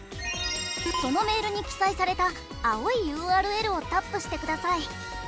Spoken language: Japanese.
そのメールに記載された青いＵＲＬをタップしてください。